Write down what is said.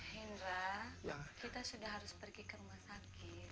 hendra kita sudah harus pergi ke rumah sakit